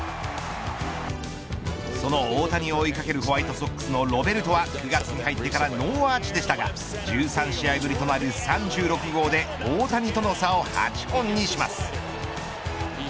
その大谷を追いかけるホワイトソックスのロベルトは９月に入ってからノーアーチでしたが１３試合ぶりとなる３６号で大谷との差を８本にします。